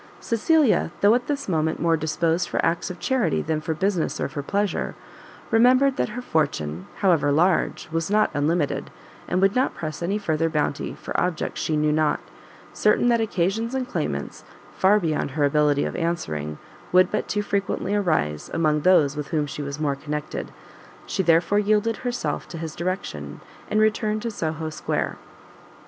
Cecilia, though at this moment more disposed for acts of charity than for business or for pleasure, remembered that her fortune however large was not unlimited, and would not press any further bounty for objects she knew not, certain that occasions and claimants, far beyond her ability of answering, would but too frequently arise among those with whom she was more connected, she therefore yielded herself to his direction, and returned to Soho Square.